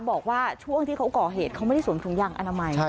บอกว่าช่วงที่เขาก่อเหตุเขาไม่ได้สวมถุงยางอนามัย